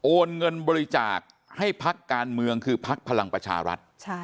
โอนเงินบริจาคให้ภักดิ์การเมืองคือภักดิ์พลังประชารัฐ